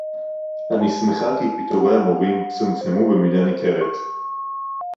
אני שמחה כי פיטורי המורים צומצמו במידה ניכרת